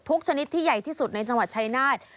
ชนิดที่ใหญ่ที่สุดในจังหวัดชายนาฏ